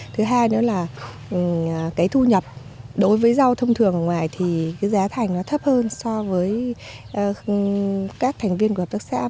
thứ hai nữa là cái thu nhập đối với rau thông thường ở ngoài thì cái giá thành nó thấp hơn so với các thành viên của hợp tác xã